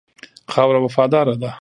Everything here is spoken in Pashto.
خاوره وفاداره ده.